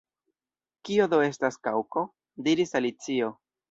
“Kio do estas Kaŭko?” diris Alicio.